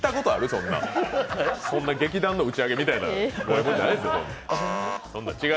そんな劇団の打ち上げみたいな。